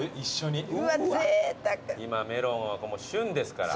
今メロンは旬ですから。